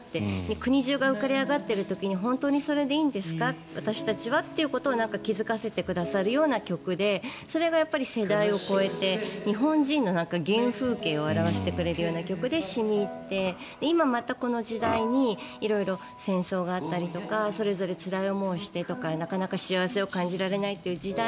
国中が浮かれ上がってるときに本当にそれでいいんですかと気付かせてくださるような曲でそれが世代を超えて日本人の中の原風景を表してくれるような曲で染み入って、今またこの時代に色々戦争があったりとかそれぞれつらい思いをしてとかなかなか幸せを感じられない時代